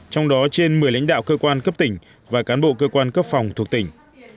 trong đó trên một mươi lãnh đạo cơ quan cấp tỉnh và cán bộ cơ quan cấp phòng thuộc tỉnh